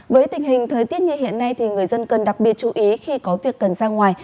với tình hình thời tiết như hiện nay thì người dân cần đặc biệt chú ý khi có việc cần ra ngoài